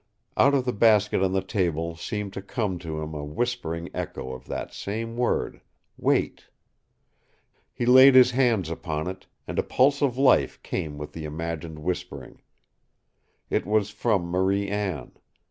Out of the basket on the table seemed to come to him a whispering echo of that same word wait! He laid his hands upon it, and a pulse of life came with the imagined whispering. It was from Marie Anne.